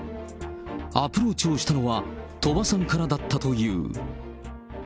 アプローチをしたのは鳥羽さんからだったという。